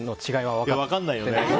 分からないよね。